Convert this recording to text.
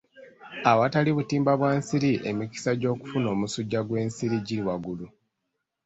Awatali butimba bwa nsiri emikisa gy'okufuna omusujja gw'ensiri giri waggulu.